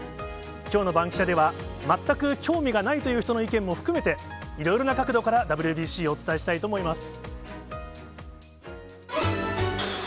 きょうのバンキシャでは、全く興味がないという人の意見も含めて、いろいろな角度からＷＢＣをお伝えしたいと思います。